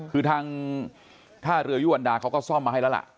คือทางท่าเรือยุวรรดาเขาก็ซ่อมมาให้แล้วล่ะ